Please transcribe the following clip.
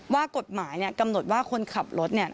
ว่ากฎหมายกำหนดว่าคนขับรถ